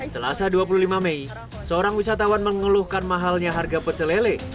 selasa dua puluh lima mei seorang wisatawan mengeluhkan mahalnya harga pecelele